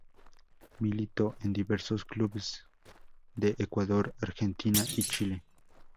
Militó en diversos clubes de Ecuador, Argentina y Chile.